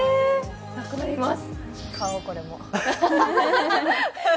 なくなります！